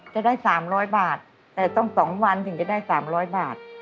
จะได้๓๐๐บาทแต่ต้อง๒วันถึงจะได้๓๐๐บาท